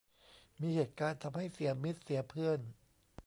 มีเหตุการณ์ทำให้เสียมิตรเสียเพื่อน